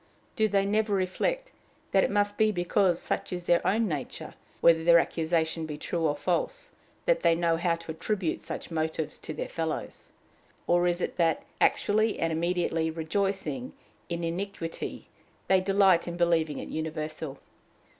Do they never reflect that it must be because such is their own nature, whether their accusation be true or false, that they know how to attribute such motives to their fellows? Or is it that, actually and immediately rejoicing in iniquity, they delight in believing it universal?